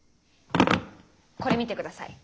これ見てください。